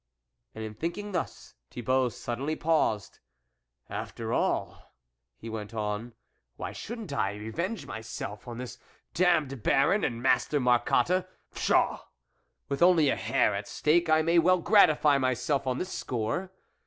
And in thinking thus, Thibanlt suddenly paused. "And, after all," he went on, "why shouldn't I revenge myself on this dam ned Baron and Master Marcotte? Pshaw ! with only a hair at stake I may well gratify myself on this score."